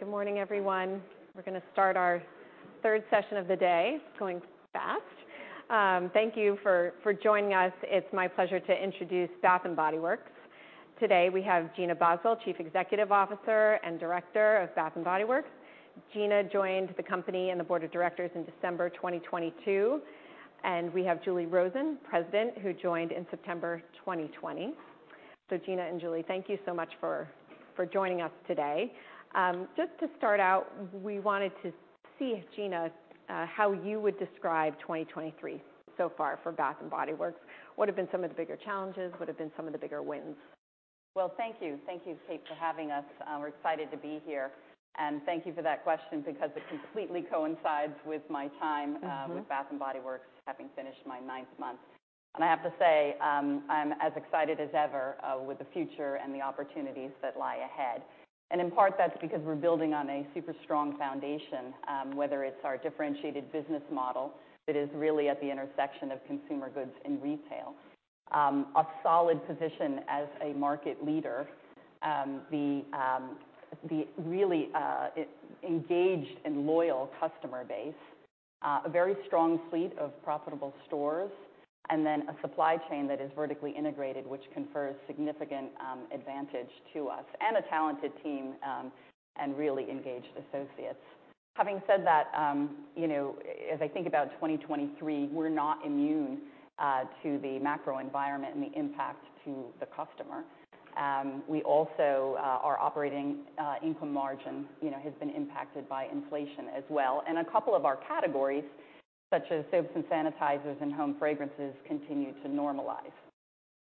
Good morning, everyone. We're going to start our third session of the day. It's going fast. Thank you for joining us. It's my pleasure to introduce Bath & Body Works. Today, we have Gina Boswell, Chief Executive Officer and Director of Bath & Body Works. Gina joined the company and the board of directors in December 2022, and we have Julie Rosen, President, who joined in September 2020. So Gina and Julie, thank you so much for joining us today. Just to start out, we wanted to see, Gina, how you would describe 2023 so far for Bath & Body Works. What have been some of the bigger challenges? What have been some of the bigger wins? Well, thank you, Kate, for having us. We're excited to be here. Thank you for that question because it completely coincides with my time with Bath & Body Works, having finished my ninth month. And I have to say, I'm as excited as ever, with the future and the opportunities that lie ahead. And in part, that's because we're building on a super strong foundation, whether it's our differentiated business model, that is really at the intersection of consumer goods and retail. A solid position as a market leader, the really engaged and loyal customer base, a very strong fleet of profitable stores, and then a supply chain that is vertically integrated, which confers significant advantage to us, and a talented team, and really engaged associates. Having said that, you know, as I think about 2023, we're not immune to the macro environment and the impact to the customer. We also, our operating income margin, you know, has been impacted by inflation as well. And a couple of our categories, such as soaps and sanitizers and home fragrances, continue to normalize.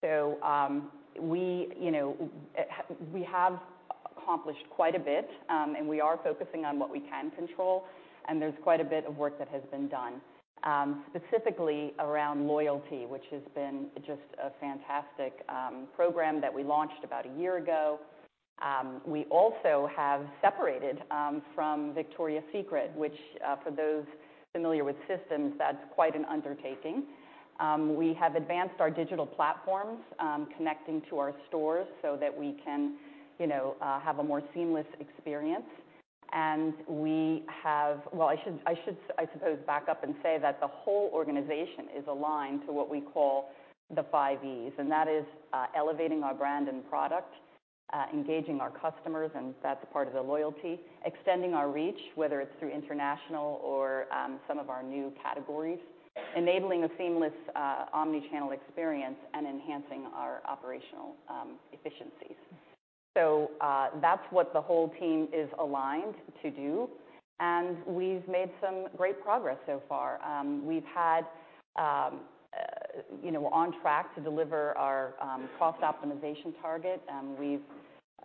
So, we have accomplished quite a bit, and we are focusing on what we can control, and there's quite a bit of work that has been done, specifically around loyalty, which has been just a fantastic program that we launched about a year ago. We also have separated from Victoria's Secret, which, for those familiar with systems, that's quite an undertaking. We have advanced our digital platforms, connecting to our stores so that we can, you know, have a more seamless experience. Well, I should, I suppose, back up and say that the whole organization is aligned to what we call the Five Es, and that is, elevating our brand and product, engaging our customers, and that's a part of the loyalty. Extending our reach, whether it's through international or some of our new categories, enabling a seamless omnichannel experience and enhancing our operational efficiencies. So, that's what the whole team is aligned to do, and we've made some great progress so far. We've had, you know, we're on track to deliver our cost optimization target. We've,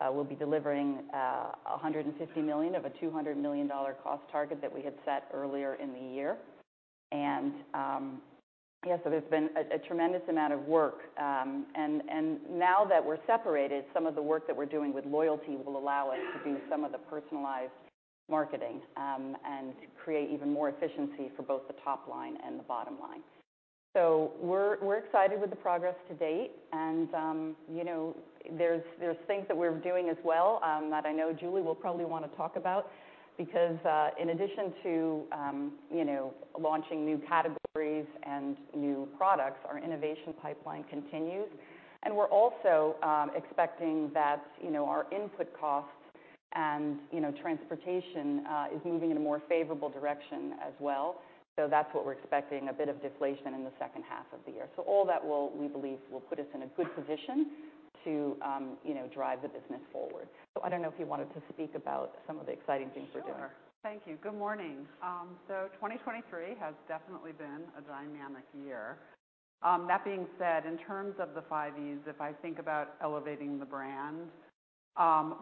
we'll be delivering $150 million of a $200 million cost target that we had set earlier in the year. There's been a tremendous amount of work, and now that we're separated, some of the work that we're doing with loyalty will allow us to do some of the personalized marketing, and create even more efficiency for both the top line and the bottom line. So we're excited with the progress to date, and you know, there's things that we're doing as well, that I know Julie will probably want to talk about. Because in addition to you know, launching new categories and new products, our innovation pipeline continues. And we're also expecting that you know, our input costs and you know, transportation is moving in a more favorable direction as well. So that's what we're expecting, a bit of deflation in the second half of the year. So all that will, we believe, will put us in a good position to, you know, drive the business forward. So I don't know if you wanted to speak about some of the exciting things we're doing. Sure. Thank you. Good morning. So 2023 has definitely been a dynamic year. That being said, in terms of the Five Es, if I think about elevating the brand,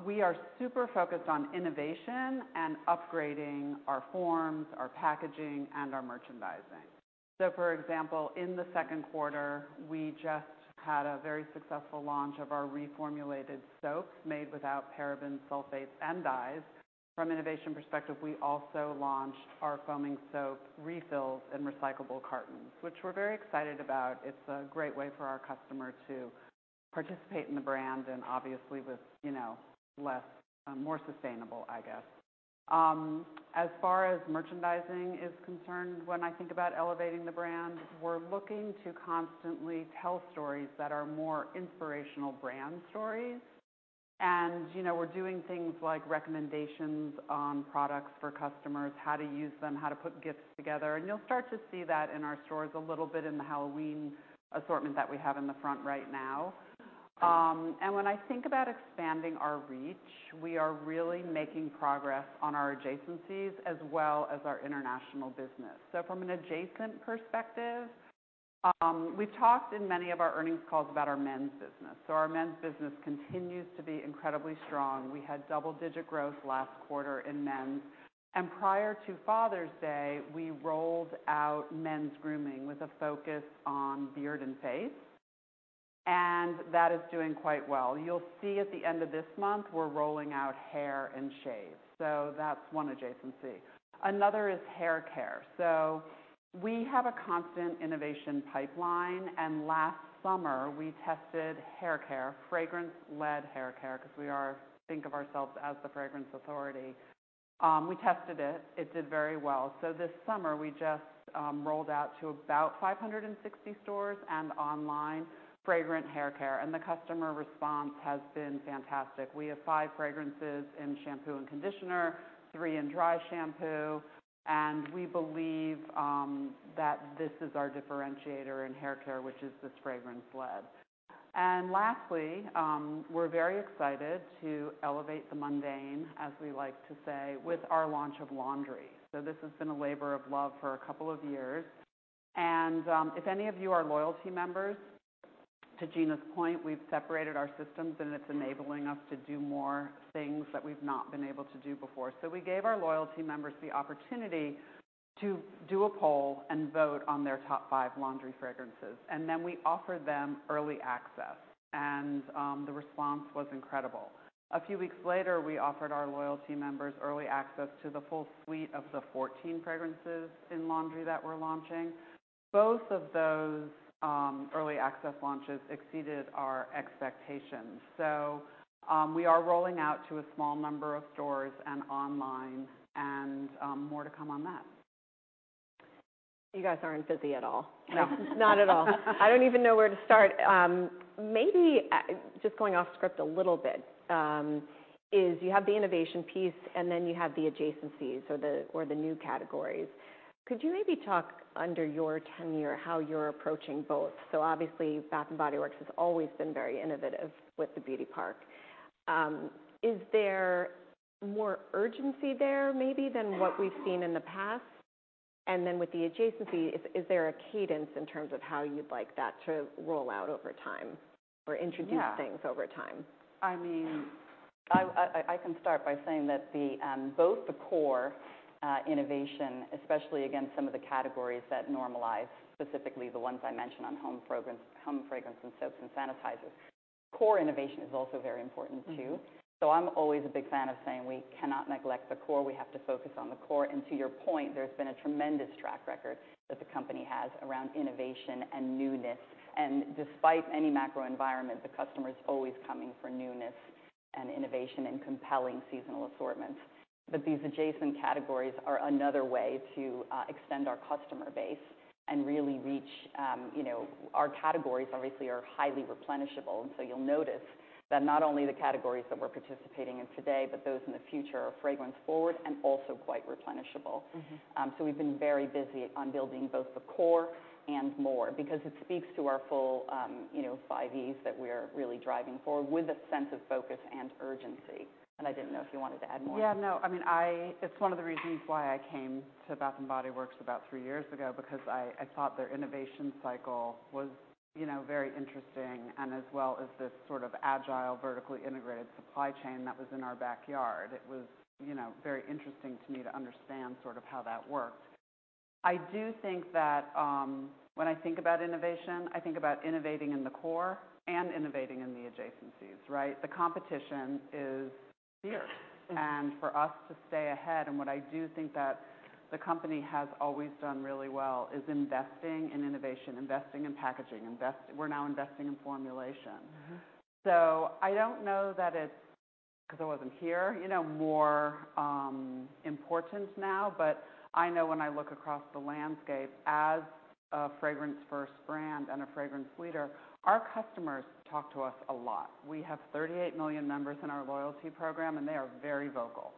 we are super focused on innovation and upgrading our forms, our packaging, and our merchandising. So for example, in the second quarter, we just had a very successful launch of our reformulated soaps made without parabens, sulfates, and dyes. From innovation perspective, we also launched our foaming soap refills and recyclable cartons, which we're very excited about. It's a great way for our customer to participate in the brand and obviously with, you know, less, more sustainable, I guess. As far as merchandising is concerned, when I think about elevating the brand, we're looking to constantly tell stories that are more inspirational brand stories. You know, we're doing things like recommendations on products for customers, how to use them, how to put gifts together, and you'll start to see that in our stores a little bit in the Halloween assortment that we have in the front right now. And when I think about expanding our reach, we are really making progress on our adjacencies as well as our international business. From an adjacent perspective, we've talked in many of our earnings calls about our men's business. Our men's business continues to be incredibly strong. We had double-digit growth last quarter in men's, and prior to Father's Day, we rolled out men's grooming with a focus on beard and face, and that is doing quite well. You'll see at the end of this month, we're rolling out hair and shave. That's one adjacency. Another is hair care. So we have a constant innovation pipeline, and last summer we tested hair care, fragrance-led hair care, because we are, think of ourselves as the fragrance authority. We tested it, it did very well. So this summer, we just rolled out to about 560 stores and online, fragrant hair care, and the customer response has been fantastic. We have five fragrances in shampoo and conditioner, three in dry shampoo, and we believe that this is our differentiator in hair care, which is this fragrance lead. And lastly, we're very excited to elevate the mundane, as we like to say, with our launch of laundry. So this has been a labor of love for a couple of years. If any of you are loyalty members, to Gina's point, we've separated our systems, and it's enabling us to do more things that we've not been able to do before. So we gave our loyalty members the opportunity to do a poll and vote on their top five laundry fragrances, and then we offered them early access, and the response was incredible. A few weeks later, we offered our loyalty members early access to the full suite of the 14 fragrances in laundry that we're launching. Both of those early access launches exceeded our expectations. So we are rolling out to a small number of stores and online, and more to come on that. You guys aren't busy at all. No, not at all. I don't even know where to start. Maybe, just going off script a little bit, is you have the innovation piece, and then you have the adjacencies, so the or the new categories. Could you maybe talk under your tenure, how you're approaching both? So obviously, Bath & Body Works has always been very innovative with the Beauty Park. Is there more urgency there, maybe, than what we've seen in the past? And then with the adjacency, is, is there a cadence in terms of how you'd like that to roll out over time or introduce things over time? I can start by saying that both the core innovation, especially against some of the categories that normalize, specifically the ones I mentioned on home fragrance, home fragrance, and soaps, and sanitizers. Core innovation is also very important, too. I'm always a big fan of saying we cannot neglect the core, we have to focus on the core. To your point, there's been a tremendous track record that the company has around innovation and newness. Despite any macro environment, the customer is always coming for newness and innovation, and compelling seasonal assortments. But these adjacent categories are another way to extend our customer base and really reach, you know, our categories obviously are highly replenishable, and so you'll notice that not only the categories that we're participating in today, but those in the future, are fragrance forward and also quite replenishable. So we've been very busy on building both the core and more because it speaks to our full, you know, Five Es that we're really driving forward with a sense of focus and urgency. And I didn't know if you wanted to add more. Yeah, no. I mean, It's one of the reasons why I came to Bath & Body Works about 3 years ago, because I thought their innovation cycle was, you know, very interesting, and as well as this sort of agile, vertically integrated supply chain that was in our backyard. It was, you know, very interesting to me to understand sort of how that worked. I do think that when I think about innovation, I think about innovating in the core and innovating in the adjacencies, right? The competition is here. For us to stay ahead, and what I do think that the company has always done really well, is investing in innovation, investing in packaging, we're now investing in formulation. So I don't know that it's more important now, because I wasn't here, you know, but I know when I look across the landscape as a fragrance-first brand and a fragrance leader, our customers talk to us a lot. We have 38 million members in our loyalty program, and they are very vocal.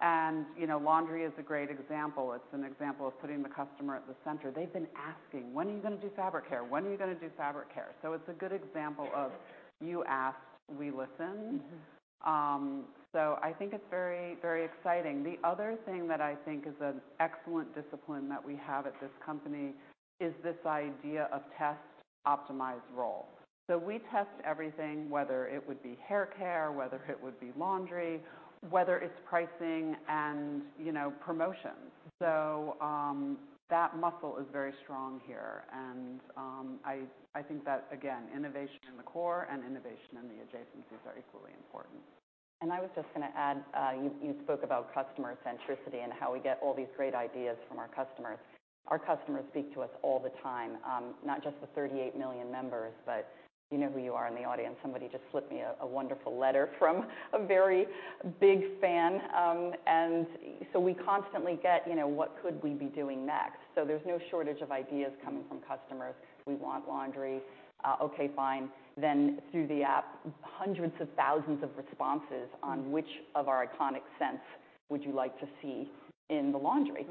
And, you know, laundry is a great example. It's an example of putting the customer at the center. They've been asking: "When are you going to do fabric care? When are you going to do fabric care?" So it's a good example of you asked, we listened. So I think it's very, very exciting. The other thing that I think is an excellent discipline that we have at this company is this idea of Test, Optimize, Roll. So we test everything, whether it would be hair care, whether it would be laundry, whether it's pricing and, you know, promotions. So, that muscle is very strong here, and, I think that, again, innovation in the core and innovation in the adjacencies are equally important. I was just gonna add, you spoke about customer centricity and how we get all these great ideas from our customers. Our customers speak to us all the time, not just the 38 million members, but you know who you are in the audience. Somebody just slipped me a wonderful letter from a very big fan. So we constantly get, you know, what could we be doing next? So there's no shortage of ideas coming from customers. "We want laundry." Okay, fine. Then through the app, hundreds of thousands of responses- On which of our iconic scents would you like to see in the laundry?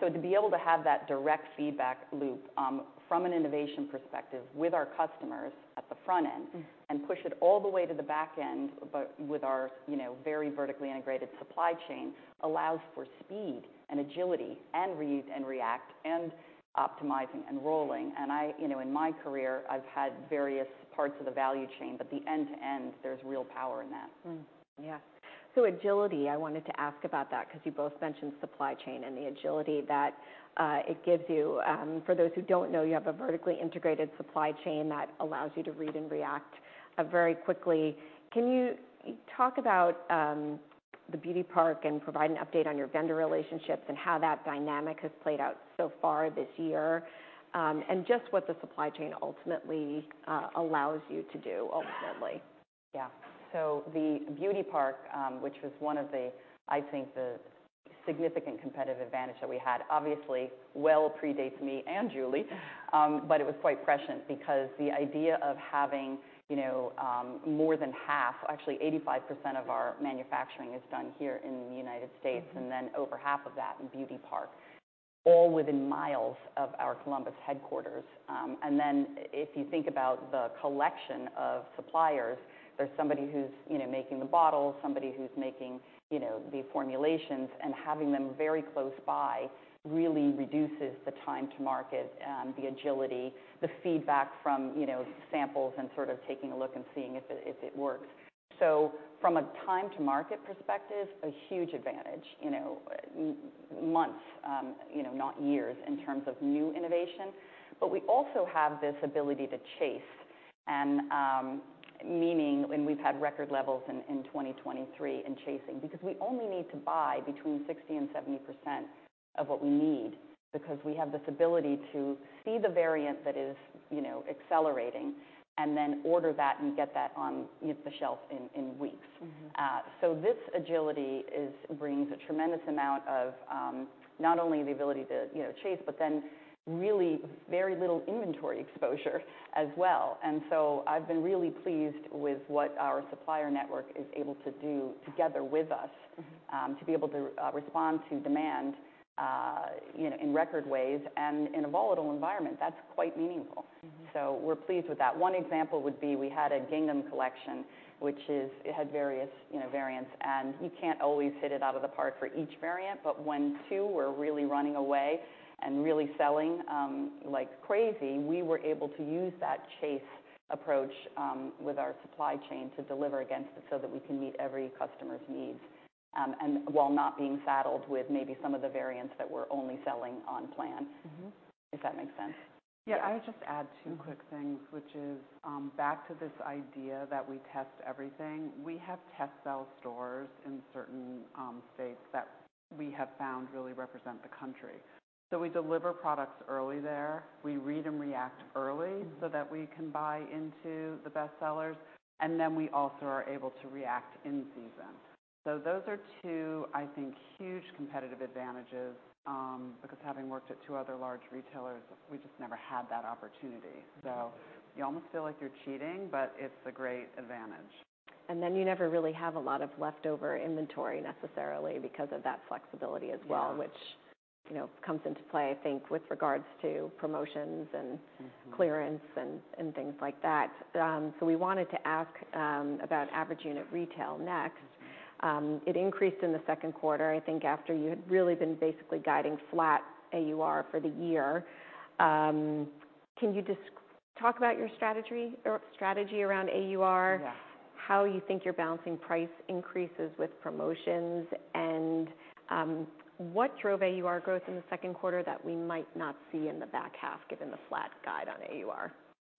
So to be able to have that direct feedback loop, from an innovation perspective with our customers at the front end push it all the way to the back end, but with our, you know, very vertically integrated supply chain, allows for speed and agility, and read and react, and optimizing and rolling. And I, you know, in my career, I've had various parts of the value chain, but the end-to-end, there's real power in that. Yeah. So agility, I wanted to ask about that because you both mentioned supply chain and the agility that it gives you. For those who don't know, you have a vertically integrated supply chain that allows you to read and react very quickly. Can you talk about the Beauty Park and provide an update on your vendor relationships and how that dynamic has played out so far this year? And just what the supply chain ultimately allows you to do, ultimately. Yeah. So the Beauty Park, which was one of the, I think, the significant competitive advantage that we had, obviously well predates me and Julie. But it was quite prescient because the idea of having, you know, more than half, actually 85% of our manufacturing is done here in the United States, and then over half of that in Beauty Park, all within miles of our Columbus headquarters. And then if you think about the collection of suppliers, there's somebody who's, you know, making the bottles, somebody who's making, you know, the formulations, and having them very close by really reduces the time to market, the agility, the feedback from, you know, samples and sort of taking a look and seeing if it, if it works. So from a time to market perspective, a huge advantage, you know, months, you know, not years, in terms of new innovation. But we also have this ability to chase and, meaning, and we've had record levels in 2023 in chasing, because we only need to buy between 60% and 70% of what we need, because we have this ability to see the variant that is, you know, accelerating and then order that and get that on the shelf in weeks. So this agility brings a tremendous amount of, not only the ability to, you know, chase, but then really very little inventory exposure as well. And so I've been really pleased with what our supplier network is able to do together with us to be able to respond to demand, you know, in record ways and in a volatile environment. That's quite meaningful. So we're pleased with that. One example would be, we had a Gingham collection, which is... It had various, you know, variants, and you can't always hit it out of the park for each variant, but when two were really running away and really selling, like crazy, we were able to use that chase approach, with our supply chain to deliver against it so that we can meet every customer's needs, and while not being saddled with maybe some of the variants that we're only selling on plan. If that makes sense. Yeah. I would just add two quick things, which is, back to this idea that we test everything. We have test sell stores in certain states that we have found really represent the country. So we deliver products early there. We read and react early, so that we can buy into the best sellers, and then we also are able to react in season. So those are two, I think, huge competitive advantages, because having worked at two other large retailers, we just never had that opportunity. You almost feel like you're cheating, but it's a great advantage. And then you never really have a lot of leftover inventory necessarily because of that flexibility as well which, you know, comes into play, I think, with regards to promotions and clearance and things like that. So we wanted to ask about Average Unit Retail next. It increased in the second quarter, I think, after you had really been basically guiding flat AUR for the year. Can you just talk about your strategy around AUR? How you think you're balancing price increases with promotions? And, what drove AUR growth in the second quarter that we might not see in the back half, given the flat guide on AUR?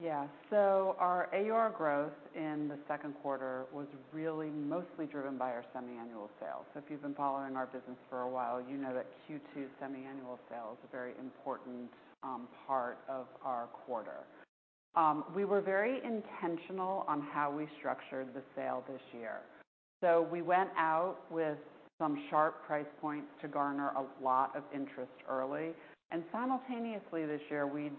Yeah. So our AUR growth in the second quarter was really mostly driven by our Semi-Annual Sale. So if you've been following our business for a while, you know that Q2 Semi-Annual Sale is a very important part of our quarter. We were very intentional on how we structured the sale this year. So we went out with some sharp price points to garner a lot of interest early, and simultaneously this year, we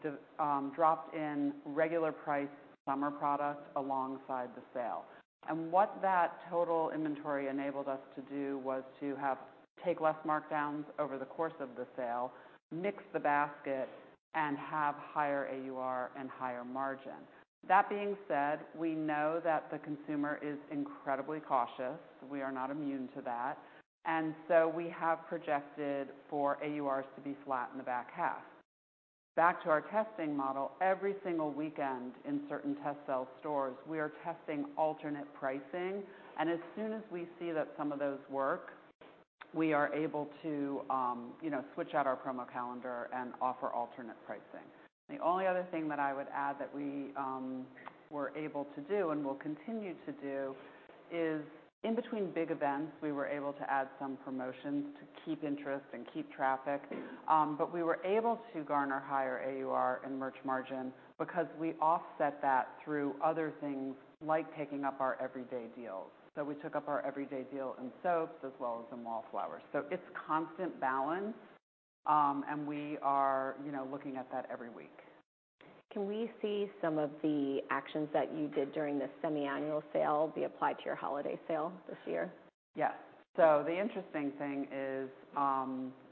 dropped in regular priced summer product alongside the sale. And what that total inventory enabled us to do was to have... to take less markdowns over the course of the sale, mix the basket, and have higher AUR and higher margin. That being said, we know that the consumer is incredibly cautious. We are not immune to that, and so we have projected for AURs to be flat in the back half. Back to our testing model, every single weekend in certain test sell stores, we are testing alternate pricing, and as soon as we see that some of those work, we are able to, you know, switch out our promo calendar and offer alternate pricing. The only other thing that I would add that we were able to do and will continue to do is, in between big events, we were able to add some promotions to keep interest and keep traffic. But we were able to garner higher AUR and merch margin because we offset that through other things, like taking up our everyday deals. So we took up our everyday deal in soaps as well as in Wallflowers. So it's constant balance, and we are, you know, looking at that every week. Can we see some of the actions that you did during this Semi-Annual Sale be applied to your holiday sale this year? Yes. So the interesting thing is,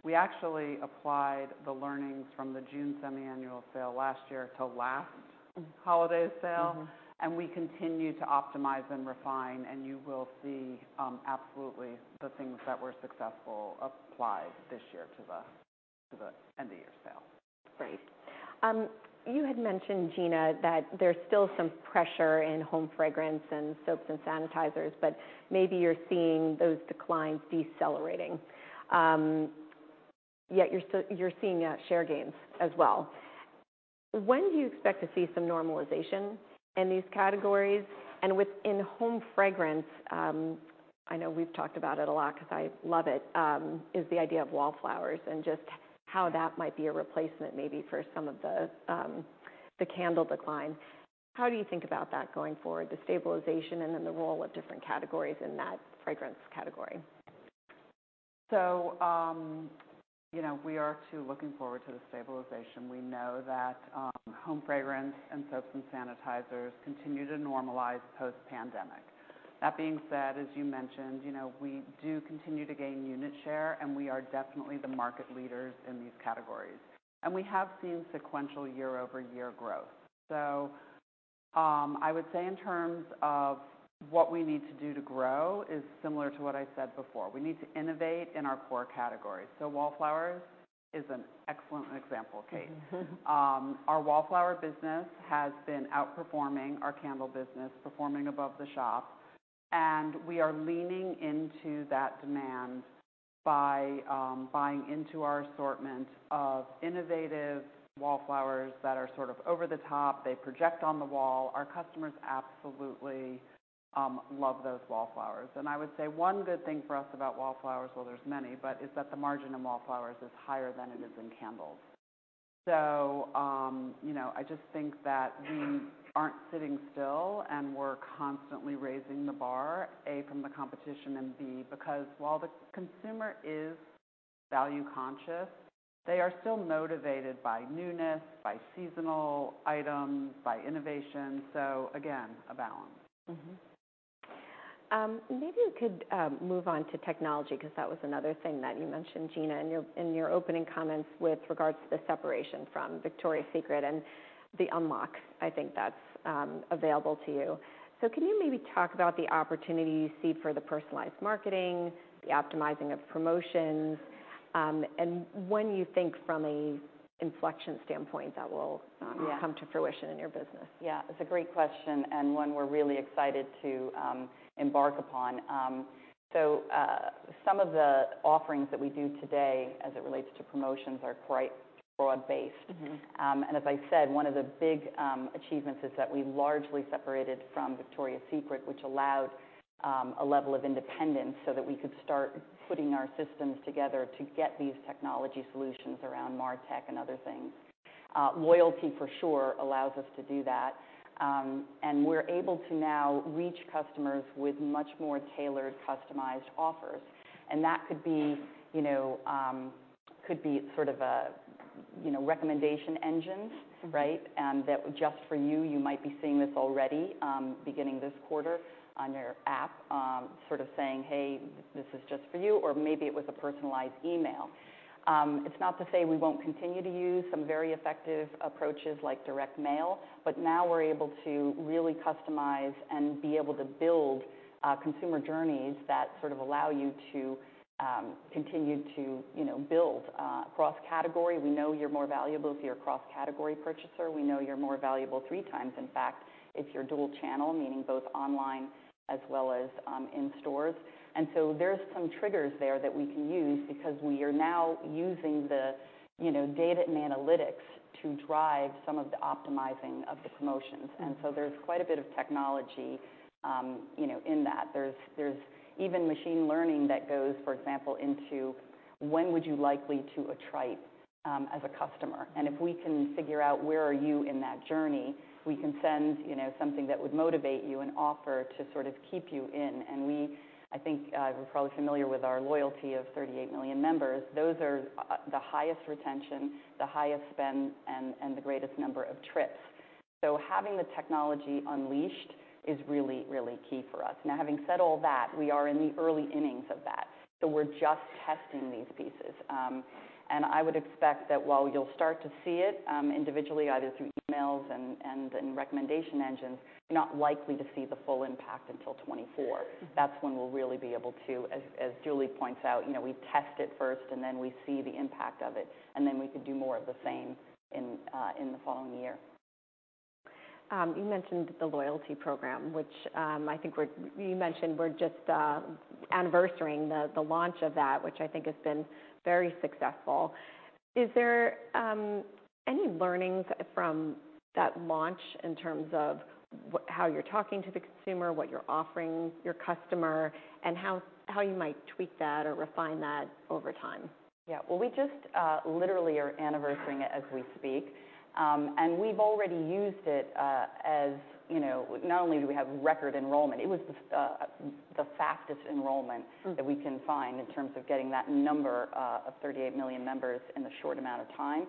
we actually applied the learnings from the June Semi-Annual Sale last year to last holiday sale. We continue to optimize and refine, and you will see, absolutely, the things that were successful applied this year to the end of year sale. Great. You had mentioned, Gina, that there's still some pressure in home fragrance and soaps and sanitizers, but maybe you're seeing those declines decelerating. Yet you're still seeing share gains as well. When do you expect to see some normalization in these categories? And with in-home fragrance, I know we've talked about it a lot, 'cause I love it, is the idea of Wallflowers how that might be a replacement maybe for some of the candle decline. How do you think about that going forward, the stabilization and then the role of different categories in that fragrance category? So, you know, we are too looking forward to the stabilization. We know that, home fragrance and soaps and sanitizers continue to normalize post-pandemic. That being said, as you mentioned, you know, we do continue to gain unit share, and we are definitely the market leaders in these categories. And we have seen sequential year-over-year growth. So, I would say in terms of what we need to do to grow is similar to what I said before. We need to innovate in our core categories. So Wallflowers is an excellent example, Kate. Our Wallflowers business has been outperforming our candle business, performing above the shop, and we are leaning into that demand by buying into our assortment of innovative Wallflowers that are sort of over the top. They project on the wall. Our customers absolutely love those Wallflowers. And I would say one good thing for us about Wallflowers, well, there's many, but is that the margin in Wallflowers is higher than it is in candles. So, you know, I just think that we aren't sitting still, and we're constantly raising the bar, A, from the competition, and B, because while the consumer is value-conscious, they are still motivated by newness, by seasonal items, by innovation. So again, a balance. Mm-hmm. Maybe you could move on to technology, 'cause that was another thing that you mentioned, Gina, in your opening comments with regards to the separation from Victoria's Secret and the unlock, I think that's available to you. So can you maybe talk about the opportunity you see for the personalized marketing, the optimizing of promotions, and when you think from a inflection standpoint that will come to fruition in your business? Yeah, it's a great question, and one we're really excited to embark upon. So, some of the offerings that we do today as it relates to promotions are quite broad-based. As I said, one of the big achievements is that we largely separated from Victoria's Secret, which allowed a level of independence so that we could start putting our systems together to get these technology solutions around MarTech and other things. Loyalty, for sure, allows us to do that. And we're able to now reach customers with much more tailored, customized offers, and that could be, you know, could be sort of a, you know, recommendation engine. Right? That just for you, you might be seeing this already, beginning this quarter on your app, sort of saying, "Hey, this is just for you," or maybe it was a personalized email. It's not to say we won't continue to use some very effective approaches like direct mail, but now we're able to really customize and be able to build, consumer journeys that sort of allow you to, continue to, you know, build. Cross-category, we know you're more valuable if you're a cross-category purchaser. We know you're more valuable, three times, in fact, if you're dual channel, meaning both online as well as, in stores. And so there's some triggers there that we can use because we are now using the, you know, data and analytics to drive some of the optimizing of the promotions. And so there's quite a bit of technology, you know, in that. There's even machine learning that goes, for example, into when would you likely attrite as a customer? And if we can figure out where are you in that journey, we can send, you know, something that would motivate you, an offer to sort of keep you in. And we... I think you're probably familiar with our loyalty of 38 million members. Those are the highest retention, the highest spend, and the greatest number of trips. So having the technology unleashed is really, really key for us. Now, having said all that, we are in the early innings of that, so we're just testing these pieces. I would expect that while you'll start to see it individually, either through emails and recommendation engines, you're not likely to see the full impact until 2024. That's when we'll really be able to, as Julie points out, you know, we test it first, and then we see the impact of it, and then we could do more of the same in the following year. You mentioned the loyalty program, which I think you mentioned we're just anniversarying the launch of that, which I think has been very successful. Is there any learnings from that launch in terms of how you're talking to the consumer, what you're offering your customer, and how you might tweak that or refine that over time? Yeah. Well, we just literally are anniversarying it as we speak. And we've already used it, as, you know... Not only do we have record enrollment, it was the fastest enrollment that we can find in terms of getting that number of 38 million members in a short amount of time.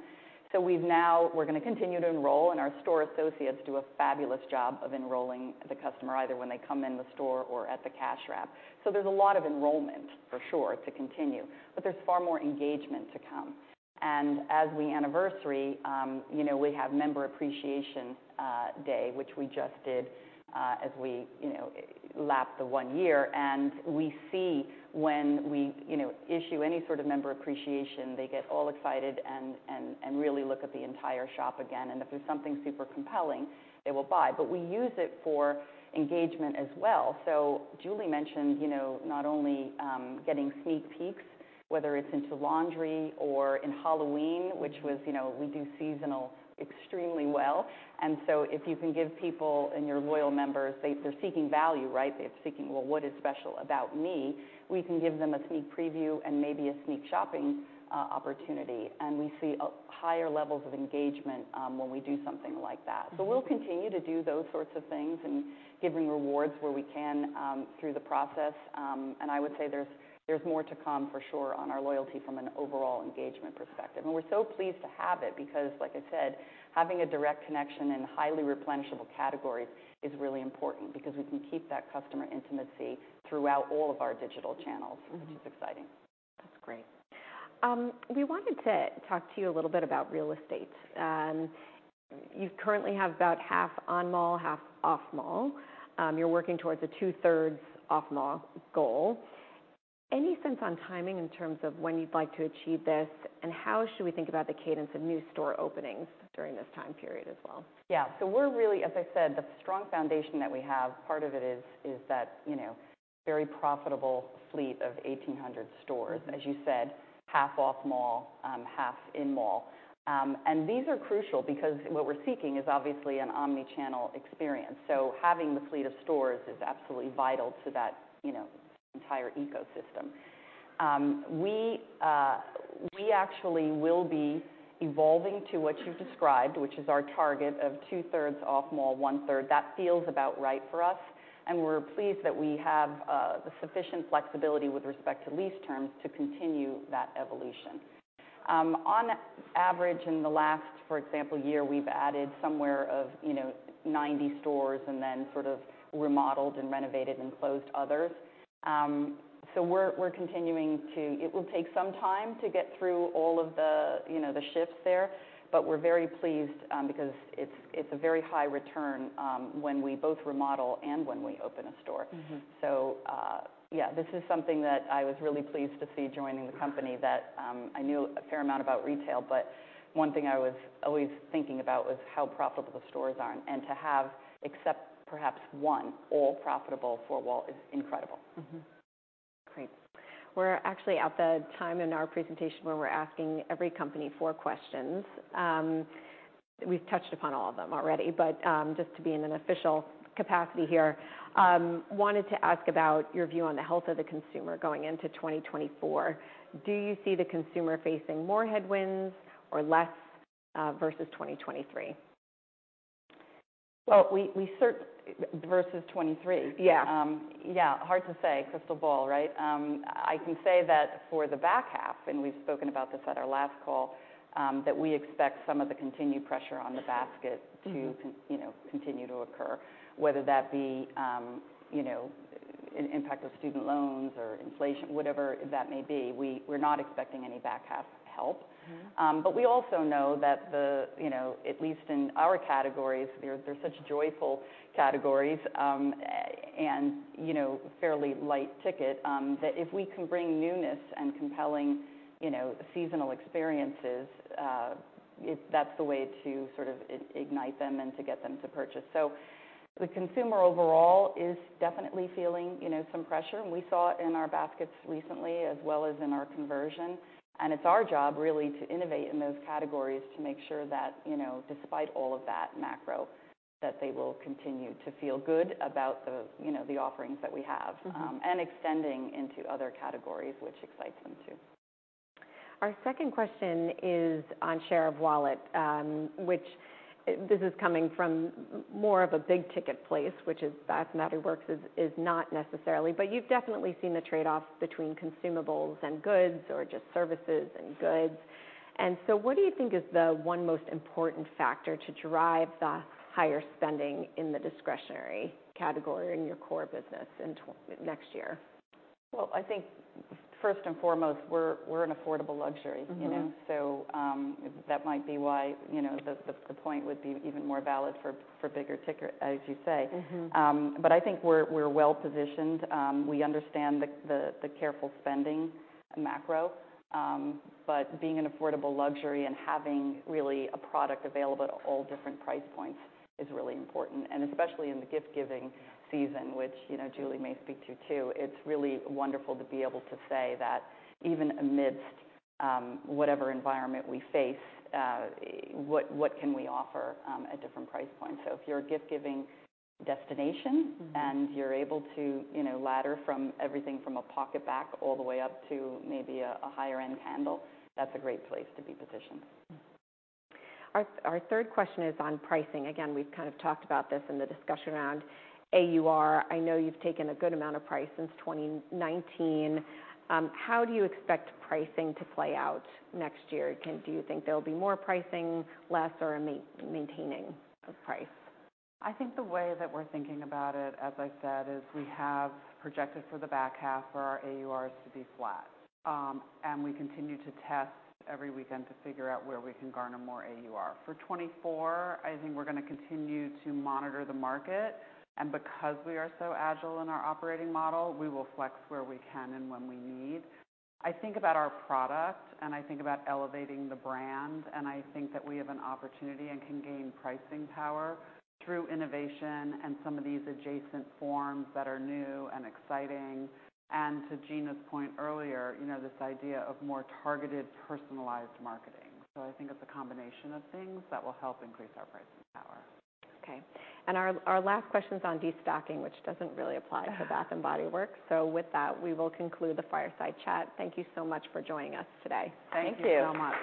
So we're gonna continue to enroll, and our store associates do a fabulous job of enrolling the customer, either when they come in the store or at the cash wrap. So there's a lot of enrollment, for sure, to continue, but there's far more engagement to come. And as we anniversary, you know, we have Member Appreciation Day, which we just did, as we, you know, lapped the one year. And we see when we, you know, issue any sort of member appreciation, they get all excited and, and, and really look at the entire shop again, and if there's something super compelling, they will buy. But we use it for engagement as well. So Julie mentioned, you know, not only getting sneak peeks, whether it's into laundry or in Halloween—which was, you know, we do seasonal extremely well. And so if you can give people and your loyal members, they, they're seeking value, right? They're seeking, "Well, what is special about me?" We can give them a sneak preview and maybe a sneak shopping opportunity, and we see a higher levels of engagement when we do something like that. So we'll continue to do those sorts of things and giving rewards where we can, through the process. And I would say there's more to come, for sure, on our loyalty from an overall engagement perspective. And we're so pleased to have it because, like I said, having a direct connection in highly replenishable categories is really important because we can keep that customer intimacy throughout all of our digital channels which is exciting. That's great. We wanted to talk to you a little bit about real estate. You currently have about half on-mall, half off-mall. You're working towards a two-thirds off-mall goal. Any sense on timing in terms of when you'd like to achieve this, and how should we think about the cadence of new store openings during this time period as well? Yeah. So we're really... As I said, the strong foundation that we have, part of it is that, you know, very profitable fleet of 1,800 stores. As you said, half off-mall, half in-mall. These are crucial because what we're seeking is obviously an omnichannel experience, so having the fleet of stores is absolutely vital to that, you know, entire ecosystem. We actually will be evolving to what you've described, which is our target of two-thirds off-mall, one-third. That feels about right for us, and we're pleased that we have the sufficient flexibility with respect to lease terms to continue that evolution. On average, in the last, for example, year, we've added somewhere of, you know, 90 stores and then sort of remodeled and renovated and closed others. We're continuing to- It will take some time to get through all of the, you know, the shifts there, but we're very pleased, because it's a very high return, when we both remodel and when we open a store. So, yeah, this is something that I was really pleased to see joining the company, that I knew a fair amount about retail, but one thing I was always thinking about was how profitable the stores are. And to have, except perhaps one, all profitable four-wall is incredible. Great. We're actually at the time in our presentation where we're asking every company four questions. We've touched upon all of them already, but just to be in an official capacity here, wanted to ask about your view on the health of the consumer going into 2024. Do you see the consumer facing more headwinds or less versus 2023? Well, we versus 2023? Yeah, hard to say. Crystal ball, right? I can say that for the back half, and we've spoken about this at our last call, that we expect some of the continued pressure on the basket to continue to occur. Whether that be, you know, an impact of student loans or inflation, whatever that may be, we, we're not expecting any back half help. But we also know that the, you know, at least in our categories, they're such joyful categories, and, you know, fairly light ticket, that if we can bring newness and compelling, you know, seasonal experiences, that's the way to sort of ignite them and to get them to purchase. So the consumer overall is definitely feeling, you know, some pressure, and we saw it in our baskets recently, as well as in our conversion. And it's our job, really, to innovate in those categories to make sure that, you know, despite all of that macro, that they will continue to feel good about the, you know, the offerings that we have and extending into other categories, which excites them, too. Our second question is on share of wallet, which is coming from more of a big ticket place, which Bath & Body Works is not necessarily. But you've definitely seen the trade-offs between consumables and goods or just services and goods. And so what do you think is the one most important factor to drive the higher spending in the discretionary category in your core business next year? Well, I think first and foremost, we're an affordable luxury. You know, so, that might be why, you know, the point would be even more valid for bigger ticket, as you say. But I think we're well positioned. We understand the careful spending macro, but being an affordable luxury and having really a product available at all different price points is really important, and especially in the gift-giving season, which, you know, Julie may speak to, too. It's really wonderful to be able to say that, even amidst whatever environment we face, what can we offer at different price points? So if you're a gift-giving destination and you're able to, you know, ladder from everything from a PocketBac all the way up to maybe a higher end candle, that's a great place to be positioned. Our third question is on pricing. Again, we've kind of talked about this in the discussion around AUR. I know you've taken a good amount of price since 2019. How do you expect pricing to play out next year? Do you think there'll be more pricing, less, or maintaining of price? I think the way that we're thinking about it, as I said, is we have projected for the back half for our AURs to be flat. And we continue to test every weekend to figure out where we can garner more AUR. For 2024, I think we're gonna continue to monitor the market, and because we are so agile in our operating model, we will flex where we can and when we need. I think about our product, and I think about elevating the brand, and I think that we have an opportunity and can gain pricing power through innovation and some of these adjacent forms that are new and exciting, and to Gina's point earlier, you know, this idea of more targeted, personalized marketing. So I think it's a combination of things that will help increase our pricing power. Okay, and our last question's on destocking, which doesn't really apply to Bath & Body Works. So with that, we will conclude the fireside chat. Thank you so much for joining us today. Thank you. Thank you so much.